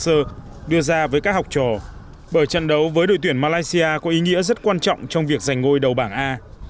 các đồng đội đã nghiên cứu rất kỹ lối đá của đội tuyển malaysia có ý nghĩa rất quan trọng trong việc giành ngôi đầu bảng a